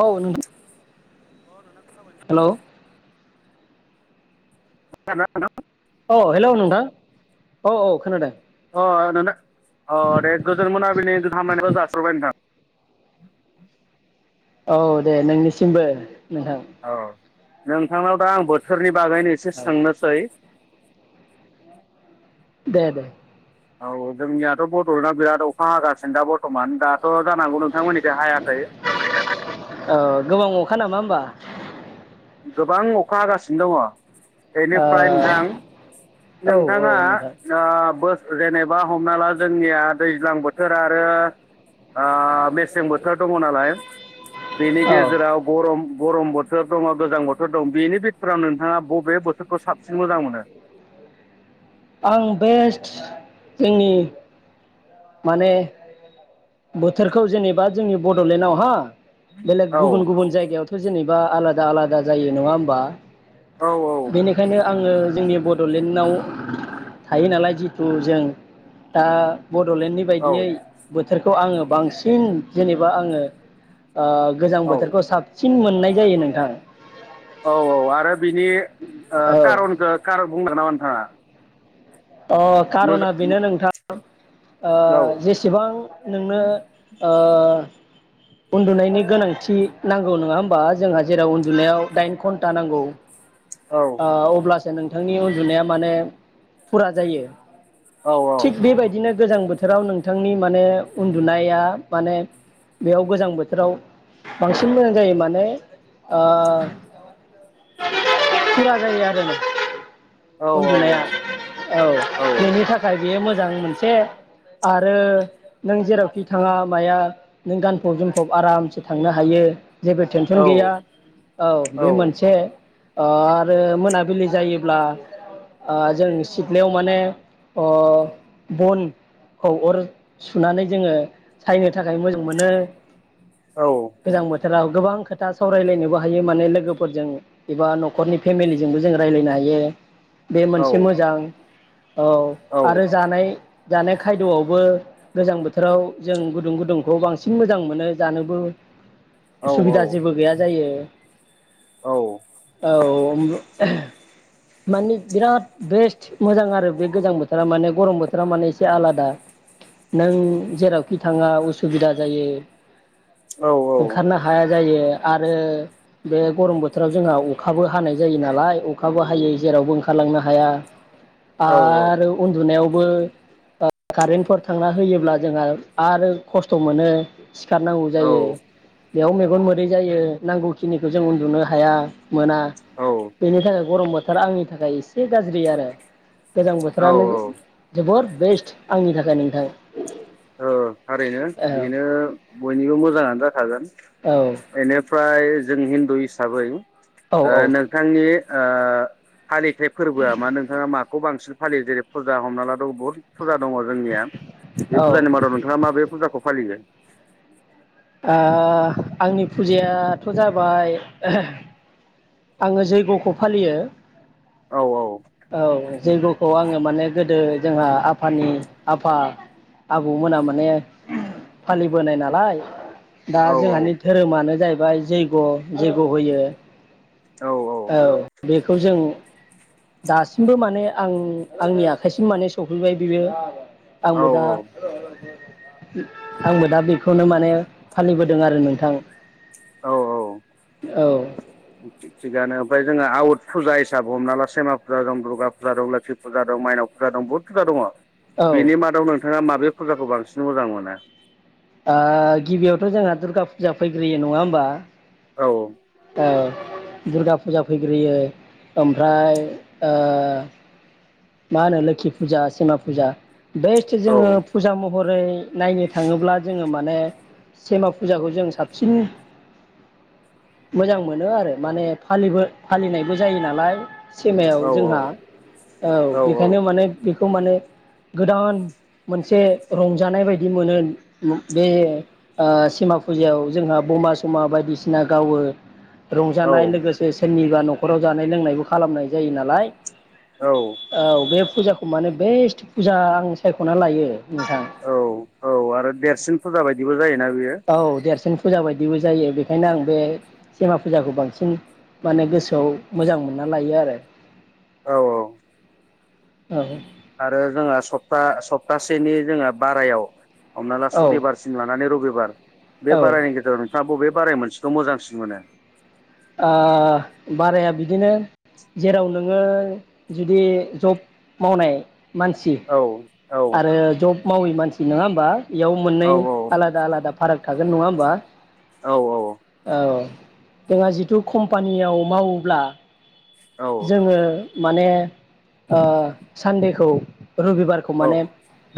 औ नों अ नोंथां । खोनाबाय ना? खोनादोंना नोंथां औ हेल' नोंथां औ - औ खोनादों । अ नोंनो अ दे गोजोन मोनाबिलि हामनायखौ जास्र'बाय नोंथां । औ दे नोंनिसिमबो । नोंथां । औ नोंथांनाव दा आं बोथोरनि बागैनो एसे सोंनोसै । दे दे। औ औ जोंनियाथ' बड'लेण्डआ बिराद अखा हागासिनो दा बर्थ'मान दा। जानोहागौ नोंथांमोनिथिं हायाखै औ गोबां अखा नामा होमबा गोबां अखा हागासिनो दङ'। बेनिफ्राय नोंथां ओ औ नोंथाङा औ नोंथां बो। जेनेबा हमना ला जोंनिया दैज्लां बोथोर आरो। मेसें बोथोर दङ नालाय बेनि औ गेजेराव गरम। गरम बोथोर दङ'। गोजां बोथोर दं बेनि बिथोराव नोंथाङा बबे बोथोरखौ साबसिन मोजां मोनो। आं बेस्ट जोंनि। माने बोथोरखौ जेनेबा जोंनि बड'लेण्डआव हा। बेलेग औ गुबुन गुबुन जायगायावथ'। जेनेबा आलादा आलादा जायो नङा होमबा। औ बेनिखायनो। आङो जोंनि बड'लेण्डआव थायो नालाय जिथु जों दा। बड'लेण्डनि औ बायदियै। बोथोरखौ आङो बांसिन जेनेबा आङो। आ गोजां औ बोथोरखौ साब सिन मोननाय जायो नोंथां। औ औ आरो बिनि ओ औ कारनखौ कार बुंदों ना हो अ कारना बेनो नोंथां। [unintelligible] औ जेसेबां नोंनो ओ उन्दुनायनि गोनांथि नांगौ नंङा होमबा? जोंहा जेराव उन्दुनायाव दाइन घन्टा नांगौ। औ आ अब्ला स सो नोंथांनि उन्दुनाया माने फुरा जायो। औ थिग बेबायदिनो गोजां बोथोराव नोंथांनि माने उन्दुनाया माने बेयाव गोजां बोथोराव बांसिन मोजां जायो, माने ओ फुरा जायो आरो नो औ औ उन्दुनाया औ बेनि थाखाय बेयो मोजां मोनसे आरो नों जेरावखि थांङा माया नों गानफब जोमफब आरामसे थांनो हायो। जेबो औ टेनसन गैया औ बे मोनसे ओ आरो मोनाबिलि जायोब्ला ओ जों सिथ्लायाव माने अ बनखौ अर सुनानै जोंङो सायनो थाखाय मोजां मोनो। औ थोराव गोबां खोथा सावरायलायनोबो हायो माने लोगोफोरजों एबा नखरनि फेमिलिजोंबो जों रायज्लायनो हायो। बे औ मोनसे मोजां औ आरो जानाय जानाय खायदआवबो गोजां बोथोराव जों गुदुं गुदुंखौ बांसिन मोजां मोनो जानोबो। उसुबिदा जेबो गैया जायो। [unintelligible] औ उमबु माने बिराद बेस्ट थो मोजां आरो बे गोजां बोथोरा माने गरम बोथोरा माने एसे आलादा नों जेरावखि थांङा उसुबिदा जायो, ओंखारनो हाया जायो आरो बे गरम बोथोराव जोंहा अखाबो हानाय जायो नालाय अखाबो हायो जेरावबो ओंखारलांनो हाया। आरो उन्दुनायाव बो ओ कारेन्टफोर थांना होयोब्ला जोंहा आरो खस्थ मोनो। सिखारनांगौ जायो। बेयाव मेगन मोदै जायो नांगौखिनिखौ जों उन्दुनो हाया। मोना बेनि थाखाय गरम बोथ थोरा आंनि थाखाय एसे गाज्रि आरो। गोजां औ बोथोरानो जोबोर बेस्ट आंनि थाखाय नोंथां। औ थारैनो बेनो बयनिबो मोजाङानो जाखागोन औ एनो फ्राय जों हिन्दु हिसाबै औ ओ नोंथांनि ओ फालिथाय फोरबोआ मा नोंथाङा मा खौ बांसिन फालियो जेरै फुजा हमना ला द बुहुत फुजा दङ जोंनिया। बे औ औ फुजानिमादाव नोंथाङा माबे फुाखौ फालियो? ओ आंनि फुजायाथ जाबाय आङो जैगखौ फालियो। औ औ जैग खौ आङो माने गोदो जोंहा आफानि आफा आबौमोना माने फालिबोनाय नालाय। दा औ जोंहानि धोरोमानो जाहैबा प्राय जैग' जैग' होयो। औ औ बेखौ जों दासिमबो माने आं आंनि आखाइसिम माने सफैबाय बेबो औ आंबो दा आंबो दा बेखौनो माने फालिबोदों आरो नोंथां औ औ थिगानो ओमफाय जोंङा आउत फुजा हिसाब हमना ला सेमा फुजा दं दुर्गा फुजा दं लोख्खि फुजा दं माइनाव फुजा दं बहुत फुजा दङ। औ ओ बिनि मादाव नो नोंथाङा माबे फुजाखौ बांसिन मोजां मोनो? ओ गिबियावथ' जोंहा दुर्गा फुजा फैग्रोयो नङा होमबा औऔ । औ दुरगा फुजा फैग्रोयो ओमफ्राय ओ। मा होनो लोख्खि फुजा सेमा फुजा। बेस्त औ जोङो फुजा म हरै नायनो थाङोब्ला जोङो माने सेमा फुजाखौ जों साबसिन मोजां मोनो आरो माने फालिबो फालिनायबो जायो नालाय। औ सिमायाव जोंहा। औ बेखायनो माने बे। खौ माने गोदान मोनसे रंजानाय बायदि मोनो मो बे ओ सेमा फुजायाव जोंहा बमा -समा बायदिसिना गावो औ रंजानाय लोगोसे सेननि जा न'खराव जानाय लोंनायबो खालामनाय जायो नालाय औ बे। फुजाखौ माने बेस्ट फुजा आं सायख'ना लायो। नोंथां औ औ आरो देरसिन फुजा बाय। दिबो जायो ना। औ देरसिन। फुजा बायदिबो जायो बेखायनो आं बे सेमा फुजाखौ बांसिन माने गोसोआव मोजां मोनना लायो आरो! औ औ। औ। आरो जोंहा सप्ता सप्तासेनि जोङो बारायाव हमना ला औ औ सनिबारसिम लानानै रबिबा बार बे औ बारायनि गेजेराव आ बबे बाराय मोनसेखौ मोजांसिन मोनो ओ बाराया बिदिनो जेराव नोङो जुदि जब मावनाय मानसि औ औ आरो ज जब मावै मानसि नङा होमबा बेयाव मोननै औ आलादा आलादा फाराग थागोन नङा होमबा। औ औ। जोंहा जिथु कम्पानियाव मावोब्ला औ जोङो माने ओ सान्देखौ रुबि खौ औ माने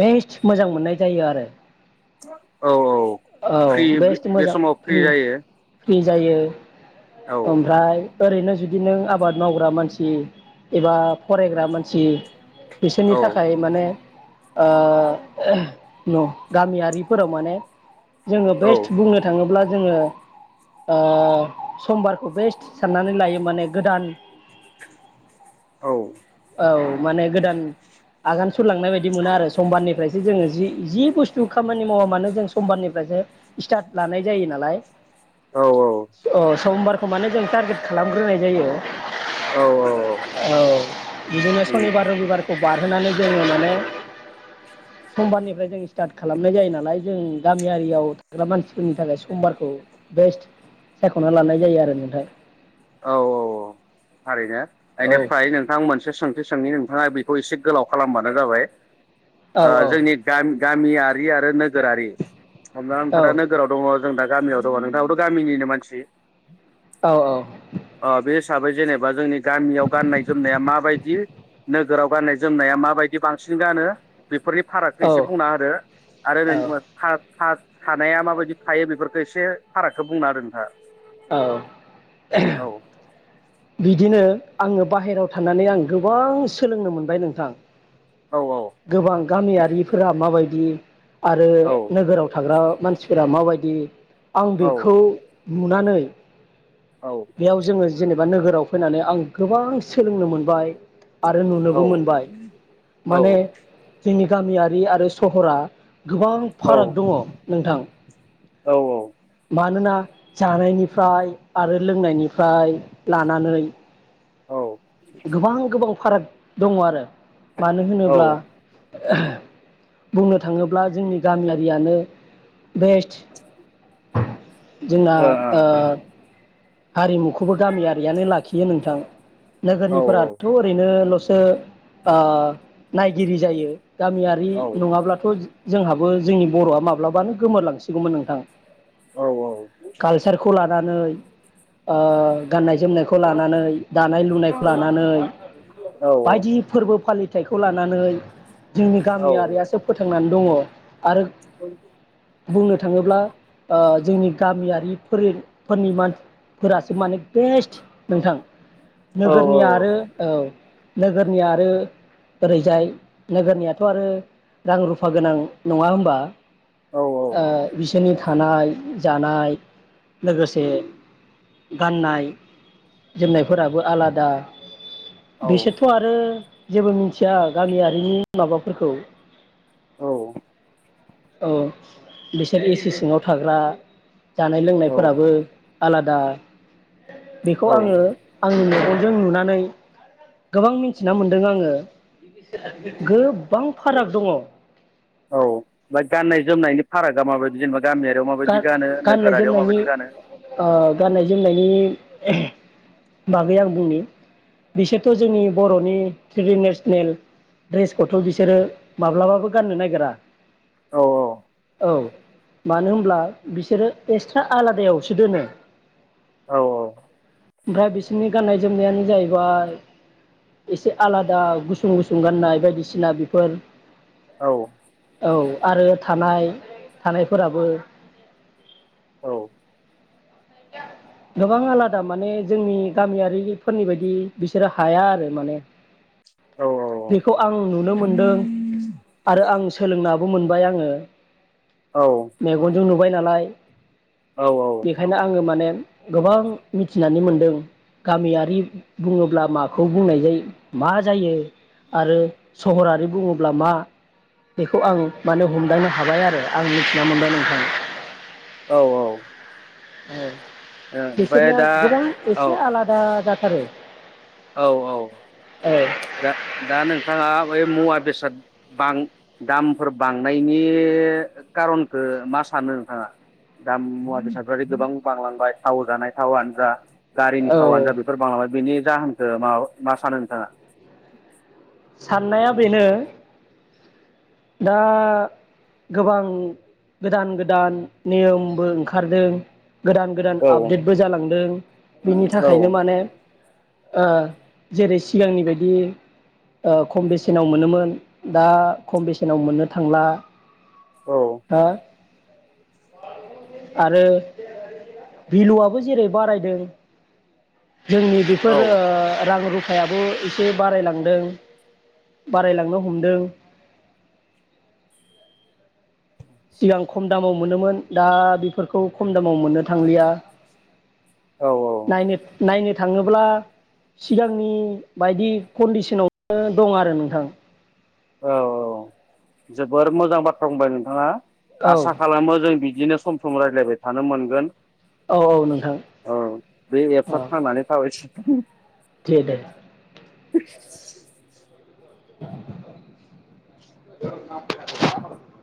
बेस्ट मोजां मोननाय जायो आरो। औ औ औ फ्रि बेस्ट बे मोजां समाव फ्रि जायो। जायो। औ ओमफ्राय ओरैनो जुदि नों आबाद मावग्रा मानसि एबा फरायग्रा मानसि बिसोरनि औ थाखाय माने ओ न गामियारिफोराव माने जोंङो औ बेस्ट बुंनो थाङोब्ला जोंङो ओ समबार बेस्ट साननानै लायो माने गोदान औ औ माने गोदान आगान सुर लांनाय बि मोनो आरो समबारनिफ्रायसो जो जि बुस्थु जिथु खामानि मावा मानो जों समबारनिफ्रायसो स्टार्ट लानाय जायो नालाय औ । अ समबार खौमाने जों टारगेट खालामग्रोनाय जायो औ औ औ । औ बिदिनो उम सनिबार रबिबारखौ बारहोनानै जोंङो माने समबारनिफ्राय जों स्टार्ट खालामनाय जायो नालाय जों गामियारियाव थाग्रा मानसिफोरनि थाखाय समबारखौ बेस्ट सायख'ना लानाय जायो आरो नोंथां । औ औ औ थारैनो । औ बेनिफ्राय नोंथां मोनसे सोंथि सोंङै नोंथांङा बेखौ एसे गोलाव खालामबानो जाबाय । औ ओ जोंनि गामि गामिया थि आरो नोगोरारि हमना ला औ नोंथांङा दा नोगोराव दङ । जों दा गामियाव दङ नोंथांङाबोथ गामिनिनो मानसि? औ औ । अ बे हिसाबै जेनेबा जोंनि गामियाव गाननाय जोमनाया माबायदि नोगोराव गाननाय जोमनाया माबायदि बांसिन गानो? बेफोरनि फारागखौ औ एसे बुंना होदो आरो [unintelligible] औ था-थानाया माबायदि थायो बेफोरखौ एसे फारागखौ बुंना होदो नोंथांङा । औ [unintelligible] बिदिनो आंङो बाहेरायाव थानानै आं गोबां सोलोंनो मोनबाय नोंथां औ । गोबां गामियारिफोरा माबायदि आरो औ नोगोराव थाग्रा मानसिफोरा माबायदि आं औ बेखौ नुनानै औ बेयाव जोंङो एबा नोगोराव फैनानै आं गोबां सोलोंनो मोनबाय। आरो नुनोबो मोनबाय औ माने औ जोंनि गामियारि आरो सहरा गोबां औ ओ औ फाराग दङ। नोंथां। औ औ मानोना जानायनिफ्राय आरो लोंनायनिफ्राय लानानै औ गोबां गोबाव फाराग दङ आरो। मानो होनोब्ला बुंनो था थाङोब्ला जोंनि गामियारियानो बेसद। जोंना ओ हारिमुखौबो गामियारियानो लाखियो नोंथां। नोगोरनिफोराथ ओरैनो लसो सो ओ नायगिरि जायो। गामियारि नङाब्लाथ' जोंहाबो जोंनि बर'आ माब्लाबानो गोमोरलांसिगौमोन नोंथां कालचारखौ लानानै ओ गाननाय जोमनायखौ लानानै दानाय लुनायखौ लानानै बायदि फोरबो फालि थायखौ ला नानै जोंनि गामियारियासो फोथांनान दङ आरो बुंनो थाङोब्ला ओ जोंनि गामियारिफोरनि फोरनि मान फोरासो मानि बेस्ट नोंथां नोगोरनि आरो औ नोगोरनिया आरो ओरैजाय नोगोरनियाथ' आरो रां रुफा गोनां नङा होमबा औ ओ बिस सोनि थानाय जानाय लोगोसे गाननाय जोमनायफोराबो आलादा बेसोरथ' आरो जेबो मिथिया गामियारिनि माबाफोरखौ औ औ बिसोर एसि सिङाव थाग्रा जानाय लोंनायफोराबो औ आलादा बेखौ औ आङो आंनि मेगनजों नुनानै गोबां मिनथिना मोनदों आङो गोबां फाराग दङ। औ ओमफाय गाननाय जोमनायनि फारागा माबायदि जेनेबाद गा-गाननाय जोमनायनि गानो ओ गाननाय जोमनायनि बागै आं बुंनि बिसोरथ' जोंनि बर'नि ट्रेदिनेसनेल द्रेसखौथ' बिसोरो माब्लाबाबो गाननो नागिरा। औ औ मानो होम ब्ला बिसोरो एक्सट्रा आलादायावसो दोनो। औ औ ओमफाय बिसोरनि गाननाय जोमनायानो जाहैबाय इसे आलादा गुसुं-गुसुं गाननाय बायदिसिना बेफोर औ औ आरो थानाय थानायफोराबो औ गोबां आलादा माने जोंनि गामियारिफोरनि बायदि बिसोरो हाया आरो माने औ बेखौ आं नुनो मोनदों। आरो आं सोलोंनाबो मोनबाय आङो औ जों नुबाय नालाय औ औ बेखायनो आङो माने गोबां मिथिनानै मोनदों गामियारि बुङोब्ला माखौ बुंनाय जायो मा जायो आरो सहरारि बुङोब्ला मा बेखौ आं माने हमदांनो हाबाय आरो आं मिथिना मोनबाय नोंथां। औ औ औ ओमफ्राय बिसोरनिया दा गोबां औ एसे आलादा जाथारो। औ औ औ दा दा नोंथाङा बै मुवा बेसाद बां दामफोर बांनायनि कारनखो मा सानो नोंथाङा दाम मुवा बेसादफ्रा गोबां बांलांबाय थाव जानाय थावानो जा? गारिनि औ थावानो जा बेफोर बांलांबाय बेनि जाहोन ओ मा मा सानो नोंथाङा? साननाया बेनो दा गोबां गोदान गोदान नियमबो ओंखारदों। गोदान गोदान औ आपडेटबो जालांदों बिनि थाखायनो माने ओ जेरै सिगांनि बायदि ओ खम बेसेनाव मोनोमोन दा खम बेसेनाव मोननो थांला औ हो? आरो भिलुआबो जेरै बारायदों। जोंनि बेफोरो रां रुफ हायाबो एसे बारायलांदों बारायलांनो हमदों। सिगां खम दामाव मोनोमोन दा बेफोरखौ खम दामाव मोननो थांलिया औ नायनो नायनो थाङोब्ला सिगांनि बायदि कन्दिसनाव दं आरो नोंथां औ औ जोबोर मोजां बाथ्रा बुंबाय नोंथाङा औ आसा खालामो जों बि दिनो सम सम रायज्लायबाय थानो मोनगोन। औ औ नोंथां औ बे एफ औ थांनानै थाबाय। [inaudible] दे दे। [inaudible] [inaudible]